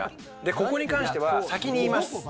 ここに関しては先に言います。